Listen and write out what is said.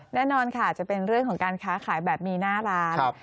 แน่นอนค่ะจะเป็นเรื่องของการค้าขายแบบมีหน้าร้าน